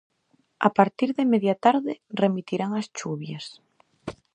A partir de media tarde remitirán as chuvias.